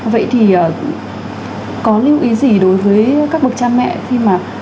vậy thì có lưu ý gì đối với các bậc cha mẹ khi mà